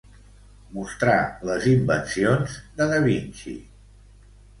Mostrar les invencions de da Vinci.